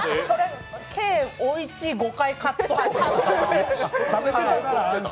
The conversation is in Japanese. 計おいちい５回カット。